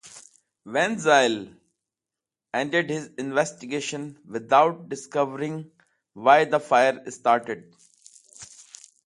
Van Zyl ended his investigation without discovering why the fire started.